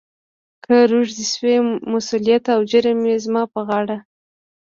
« کهٔ روږدی شوې، مسولیت او جرم یې زما پهٔ غاړه. »